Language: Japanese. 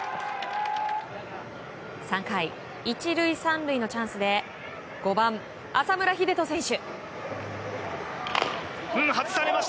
３回、１塁３塁のチャンスで５番、浅村栄斗選手。